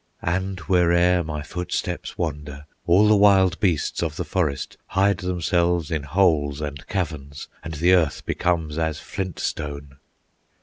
And where'er my footsteps wander, All the wild beasts of the forest Hide themselves in holes and caverns, And the earth becomes as flintstone!"